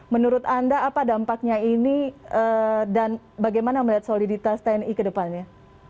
menurut anda apa dampaknya ini dan bagaimana melihat soliditas tni ke depannya